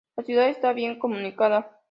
La ciudad está bien comunicada.